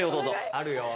あるよ。